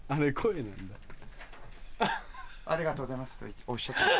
「ありがとうございます」っておっしゃってます。